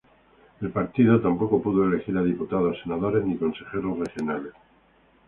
El partido tampoco pudo elegir a diputados, senadores, ni consejeros regionales.